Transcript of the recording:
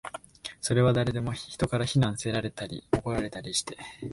それは誰でも、人から非難せられたり、怒られたりして